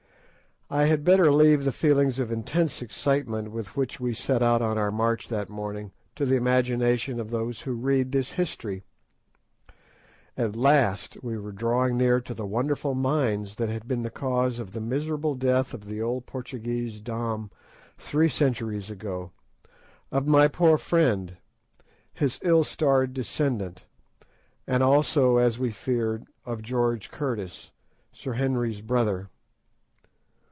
I had better leave the feelings of intense excitement with which we set out on our march that morning to the imagination of those who read this history. At last we were drawing near to the wonderful mines that had been the cause of the miserable death of the old Portuguese Dom three centuries ago, of my poor friend, his ill starred descendant, and also, as we feared, of George Curtis, Sir Henry's brother.